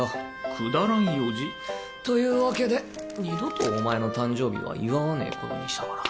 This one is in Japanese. くだらん用事？という訳で二度とお前の誕生日は祝わねえ事にしたから。